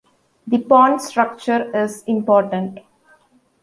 The pawn structure is important.